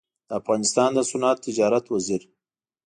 د افغانستان د صنعت تجارت وزیر